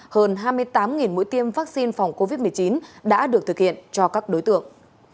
hơn hai mươi tám mũi tiêm vaccine phòng covid một mươi chín đã được thực hiện cho các đối tượng